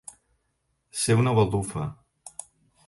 Ser una baldufa.